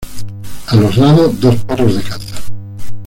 A los lados, dos perros de caza.